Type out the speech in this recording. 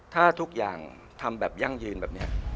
ถ้าทุกอย่างทำแบบยั่งยืนแบบนี้